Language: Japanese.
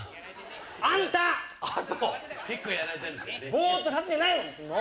ぼーっと立ってんじゃないの！